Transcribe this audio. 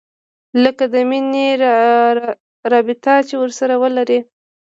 لکه د مينې رابطه چې ورسره ولري.